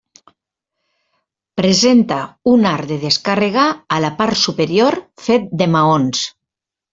Presenta un arc de descàrrega a la part superior fet de maons.